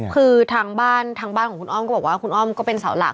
คือทางบ้านของอ้อมก็บอกว่าอ้อมก็เป็นสาวหลัก